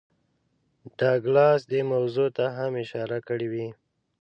ډاګلاس دې موضوع ته هم اشارې کړې وې